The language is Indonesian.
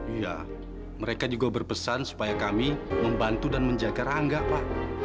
iya mereka juga berpesan supaya kami membantu dan menjaga rangga pak